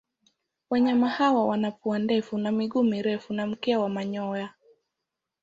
Wanyama hawa wana pua ndefu na miguu mirefu na mkia wa manyoya.